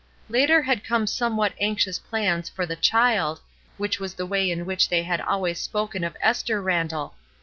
Later had come somewhat anxious plans for 346 ESTER RIED'S NAMESAKE "the child," which was the way in which they had always spoken of Esther Randall.